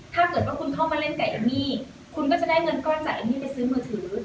ถ้าเกิดว่าคุณเข้ามาเล่นไก่เอมมี่คุณก็จะได้เงินก้อนจากเอมมี่ไปซื้อมือถือ